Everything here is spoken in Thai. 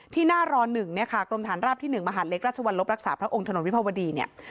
ที่หน้าร๑เนี่ยค่ะกรมฐานราบที่๑มหาดเล็กราชวรรลบรักษาพระองค์ถนนวิภาวดีเนี่ย